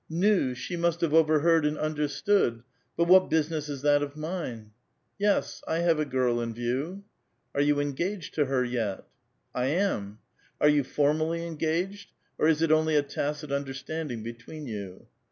Nu ! she must have overheard and under stood ; but what business is that of mine? ^^ Yes, I have a girl in view I "'* Are vou engaged to her vet?" '' I am." "Are you formally engaged, or is it only a tacit under standing between you